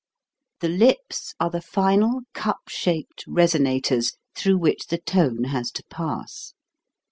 The lips are the final cup shaped reso nators through which the tone has to pass.